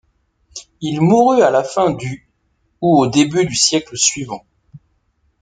Il mourut à la fin du ou au début du siècle suivant.